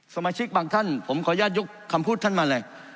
สมาชิกบางท่านผมขออนุญาตยกคำพูดท่านมาเลย